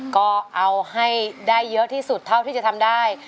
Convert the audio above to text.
ก็เอาให้ได้เยอะที่สุดเท่าที่จะทำได้